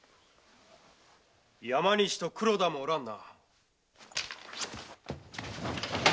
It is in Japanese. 山西と黒田もおらんな。